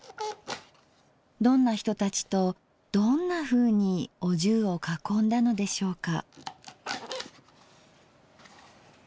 どんな人たちとどんなふうにお重を囲んだのでしょうか。